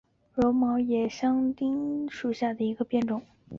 绒毛野丁香为茜草科野丁香属下的一个变种。